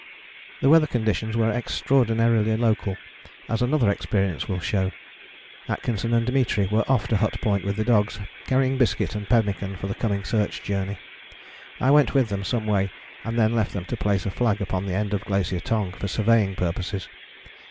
The weather conditions were extraordinarily local, as another experience will show. Atkinson and Dimitri were off to Hut Point with the dogs, carrying biscuit and pemmican for the coming Search Journey: I went with them some way, and then left them to place a flag upon the end of Glacier Tongue for surveying purposes.